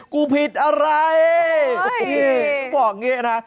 ผิดอะไรเขาบอกอย่างนี้นะ